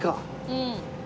うん。